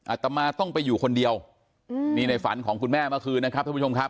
อาตมาต้องไปอยู่คนเดียวนี่ในฝันของคุณแม่เมื่อคืนนะครับท่านผู้ชมครับ